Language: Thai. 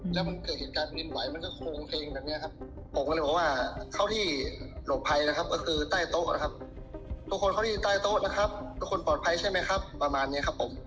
แล้วมันเกิดเหตุการณ์ดินไหวมันก็โครงเพลงแบบนี้ครับผมก็เลยบอกว่าเท่าที่หลบภัยนะครับก็คือใต้โต๊ะนะครับทุกคนเขาที่ใต้โต๊ะนะครับทุกคนปลอดภัยใช่ไหมครับประมาณนี้ครับผม